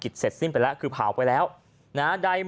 ที่ถือเหมือน